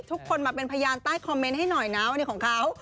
ทุกคนมาเป็นพยานใต้คอมเมนต์ให้หน่อยนะวันนี้ของเขา